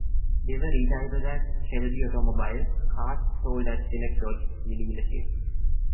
They were retitled as Shelby Automobiles cars sold at select Dodge dealerships.